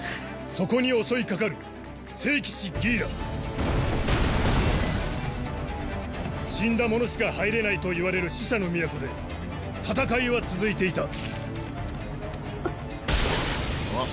そこに襲いかかる聖騎士ギーラ死んだ者しか入れないといわれる死者の都で戦いは続いていたドスッ！